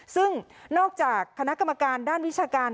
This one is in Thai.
ซึ่งนอกจากคณะกรรมการด้านวิชาการ